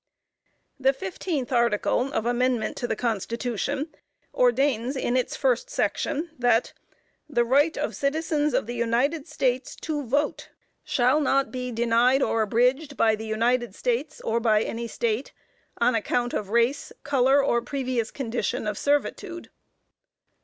_" The fifteenth article of Amendment to the Constitution ordains in its first section, that "That the right of citizens of the United States to vote, shall not be denied or abridged by the United States or by any State, on account of race, color or previous condition of servitude."